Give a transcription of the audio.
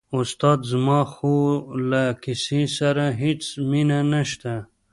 استاده زما خو له کیسې سره هېڅ مینه نشته.